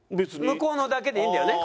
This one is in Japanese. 向こうのだけでいいんだよね？